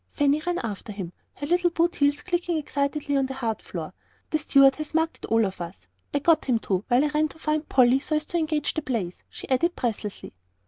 Fanny ran after him, her little boot heels clicking excitedly on the hard floor. "The steward has marked it all for us. I got him to, while I ran to find Polly so as to engage the place," she added breathlessly.